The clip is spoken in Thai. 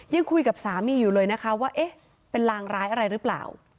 ยังคุยกับสามีอยู่เลยนะคะว่าเอ๊ะเป็นลางร้ายอะไรหรือเปล่า